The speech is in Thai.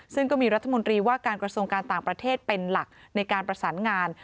ซึ่งก็มีรัฐมนตรีว่าการกระทรวงการต่างประเทศเป็นหลักในการประสานงาน